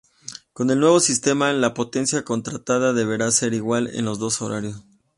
Con el nuevo sistema, la potencia contratada deberá ser igual en los dos horarios.